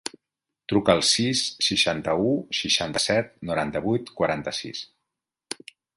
Truca al sis, seixanta-u, seixanta-set, noranta-vuit, quaranta-sis.